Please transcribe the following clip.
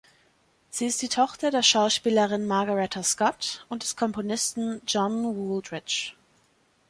Sie ist die Tochter der Schauspielerin Margaretta Scott und des Komponisten John Wooldridge.